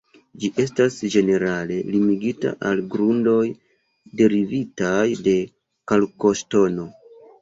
Ĝi estas ĝenerale limigita al grundoj derivitaj de kalkoŝtono.